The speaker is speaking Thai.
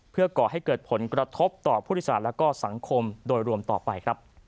เพื่อก่อให้เกิดผลกระทบต่อผู้โดยสารและก็สังคมโดยรวมต่อไปครับ